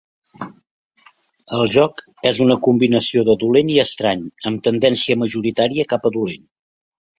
El joc és una combinació de dolent i estrany, amb tendència majoritària cap a dolent.